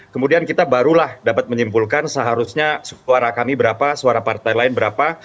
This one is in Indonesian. kemudian kita barulah dapat menyimpulkan seharusnya suara kami berapa suara partai lain berapa